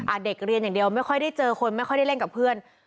เด็กเรียนอย่างเดียวไม่ค่อยได้เจอคนไม่ค่อยได้เล่นกับเพื่อน